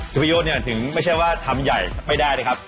พี่พยศเนี่ยถึงไม่ใช่ว่าทำใหญ่ไม่ได้เลยครับ